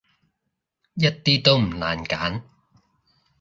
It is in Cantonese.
一啲都唔難揀